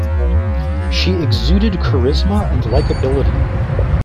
She exuded charisma and likability.